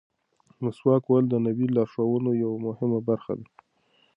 مسواک وهل د نبوي لارښوونو یوه مهمه برخه ده.